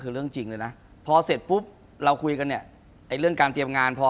คุณผู้ชมบางท่าอาจจะไม่เข้าใจที่พิเตียร์สาร